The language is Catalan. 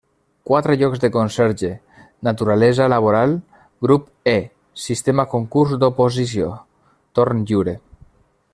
Quatre llocs de conserge, naturalesa laboral, grup E, sistema concurs oposició, torn lliure.